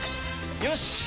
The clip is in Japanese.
よし！